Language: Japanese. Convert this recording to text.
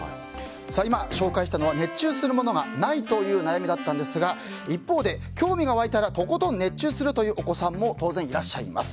今、紹介したのは熱中するものがないという悩みだったんですが一方で興味が湧いたらとことん熱中するというお子さんも当然、いらっしゃいます。